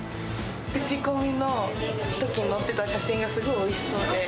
クチコミのとこに載ってた写真がすごいおいしそうで。